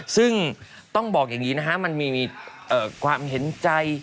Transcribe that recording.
ซึ่งต้องบอกอย่างนี้นะฮะมันมีความเห็นใจ